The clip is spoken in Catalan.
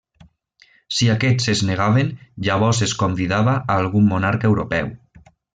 Si aquests es negaven, llavors es convidava a algun monarca europeu.